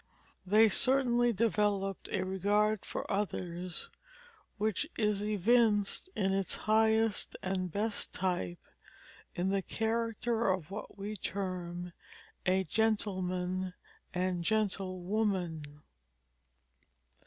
They certainly developed a regard for others which is evinced in its highest and best type in the character of what we term a gentleman and gentlewoman.